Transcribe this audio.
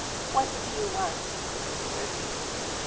" What do you want ?'* says he.